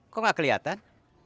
kok gak keliatan